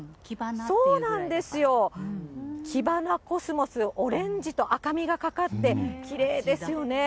そうなんですよ、キバナコスモス、オレンジと赤みがかって、きれいですよね。